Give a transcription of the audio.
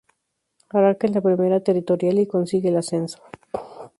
Arranca en la Primera Territorial y consigue el ascenso.